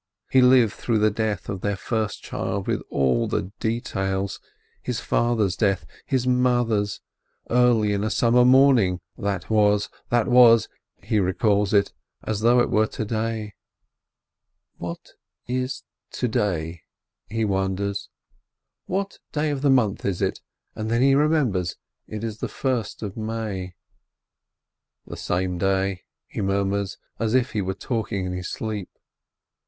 He lived through the death of their first child with all details — his father's death, his mother's — early in a summer morning — that was — that was — he recalls it — as though it were to day. YOHRZEIT FOR MOTHER 375 "What is to day?" he wonders. "What day of the month is it?" And then he remembers, it is the first of May. "The same day," he murmurs, as if he were talk ing in his sleep.